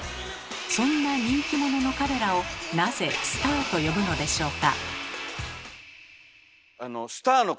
そんな人気者の彼らをなぜスターと呼ぶのでしょうか？